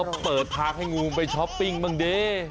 ก็เปิดทางให้งูไปช้อปปิ้งบ้างดิ